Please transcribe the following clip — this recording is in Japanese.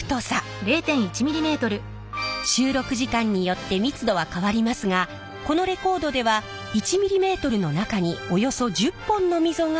収録時間によって密度は変わりますがこのレコードでは１ｍｍの中におよそ１０本の溝が彫られています。